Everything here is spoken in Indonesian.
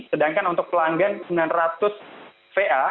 sedangkan untuk pelanggan sembilan ratus va